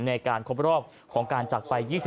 ในการครบรอบของการจักรไป๒๐